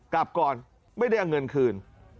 กลับก่อนไม่ได้เอาเงินคืน